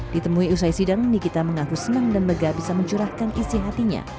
ditemui usai sidang nikita mengaku senang dan mega bisa mencurahkan isi hatinya